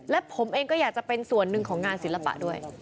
และผมเองก็อยากจะเป็นส่วนหนึ่งของงานศิลปะด้วย